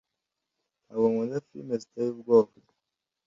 ntabwo nkunda firime ziteye ubwoba